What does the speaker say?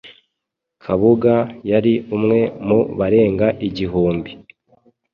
Kabuga yari umwe mu barenga igihumbi